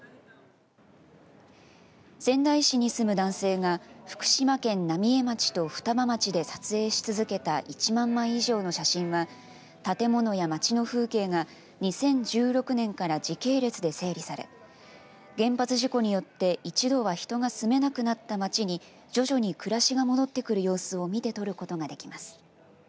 仙台市に住む男性が福島県浪江町と双葉町で撮影し続けた１万枚以上の写真は建物や町の風景が２０１６年から時系列で整理され原発事故によって一度は人が住めなくなった町に徐々に暮らしが戻ってくる様子を見て取ることができます。